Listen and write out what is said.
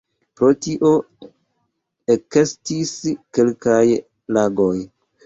Pro tio ekestis kelkaj lagoj.